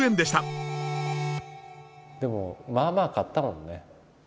でもまあまあ買ったもんね。